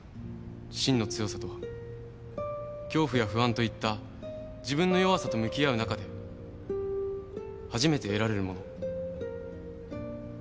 真の強さとは恐怖や不安といった自分の弱さと向き合う中で初めて得られるもの。